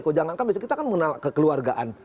kalau jangan kan kita kan mengenal kekeluargaan